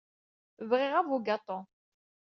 Bɣiɣ abugaṭu.